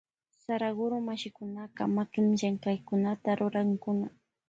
Saraguro mashikunaka makillamkaykunata rurankuna.